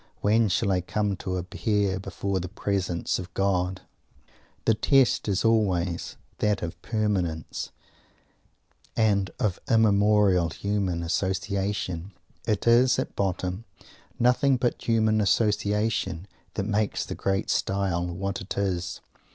When shall I come to appear before the presence of God?" The test is always that of Permanence, and of immemorial human association. It is, at bottom, nothing but human association that makes the great style what it is.